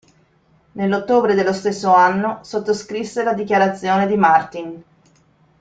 Nell'ottobre dello stesso anno sottoscrisse la Dichiarazione di Martin.